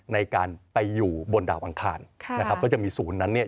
ในการไปอยู่บนดาวอังคารค่ะนะครับก็จะมีศูนย์นั้นเนี่ย